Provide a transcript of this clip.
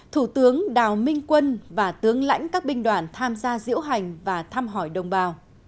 thủ tướng đào minh quân và tướng lãnh các binh đoàn tham gia diễu hành và thăm hỏi đồng bào